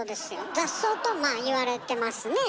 「雑草」とまあ言われてますね。